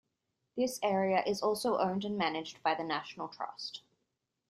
This area is also owned and managed by the National Trust.